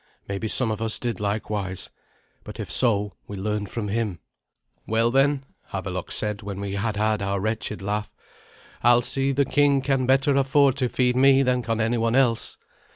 Maybe some of us did likewise; but, if so, we learned from him. "Well, then," Havelok said, when we had had our wretched laugh, "Alsi, the king, can better afford to feed me than can anyone else.